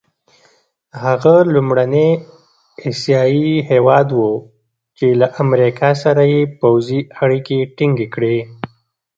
هغه لومړنی اسیایي هېواد وو چې له امریکا سره یې پوځي اړیکي ټینګې کړې.